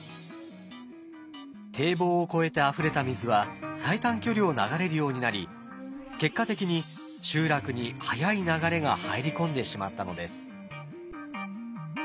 堤防を越えてあふれた水は最短距離を流れるようになり結果的に集落に速い流れが入り込んでしまったのです。